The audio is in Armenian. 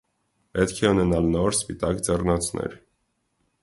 Պետք է ունենալ նոր, սպիտակ ձեռնոցներ։